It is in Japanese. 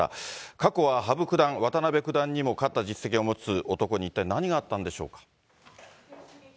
過去は羽生九段、渡辺九段にも勝った実績を持つ男に一体何があったんでしょうか。